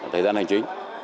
thời gian hành trí